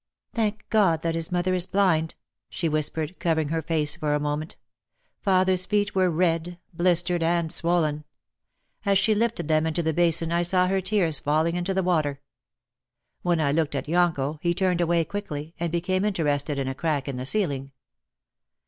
"Thank God that his mother is blind," she whispered, covering her face for a moment. Father's feet were red, blistered, and swollen. As she lifted them into the basin I saw her tears falling into the water. When I looked at Yonko he turned away quickly and became interested in a crack in the ceiling.